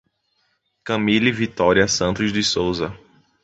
Camille Vitoria Santos de Sousa